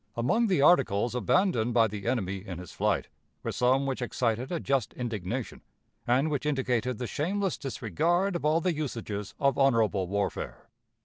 Among the articles abandoned by the enemy in his flight were some which excited a just indignation, and which indicated the shameless disregard of all the usages of honorable warfare.